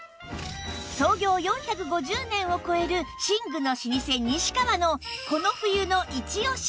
創業４５０年を超える寝具の老舗西川のこの冬のイチオシ